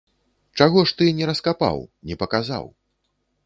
Чаго ж ты не раскапаў, не паказаў?